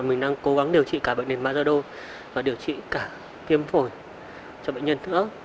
mình đang cố gắng điều trị cả bệnh nền basodo và điều trị cả viêm phổi cho bệnh nhân nữa